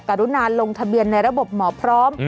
รุณาลงทะเบียนในระบบหมอพร้อม